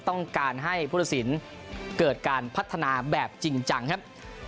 ต้องการให้ผู้ตัดสินเกิดการพัฒนาแบบจริงจังครับ